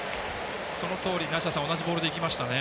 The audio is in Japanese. そのとおり、梨田さん同じボールでいきましたね。